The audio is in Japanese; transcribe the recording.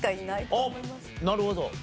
なるほど。